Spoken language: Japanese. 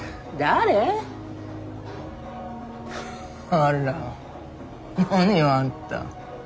あら何よあんた。